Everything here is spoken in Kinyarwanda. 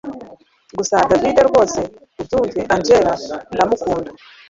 gusa david rwose ubyumve angella ndamukunda